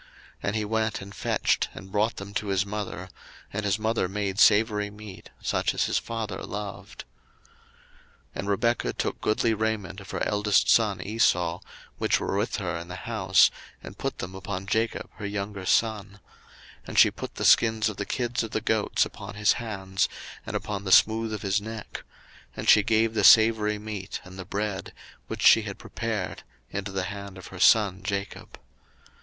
01:027:014 And he went, and fetched, and brought them to his mother: and his mother made savoury meat, such as his father loved. 01:027:015 And Rebekah took goodly raiment of her eldest son Esau, which were with her in the house, and put them upon Jacob her younger son: 01:027:016 And she put the skins of the kids of the goats upon his hands, and upon the smooth of his neck: 01:027:017 And she gave the savoury meat and the bread, which she had prepared, into the hand of her son Jacob.